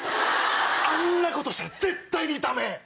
あんなことしたら絶対にダメ！